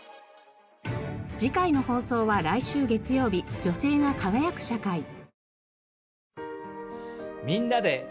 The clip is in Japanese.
次回の放送は来週月曜日女性が輝く社会。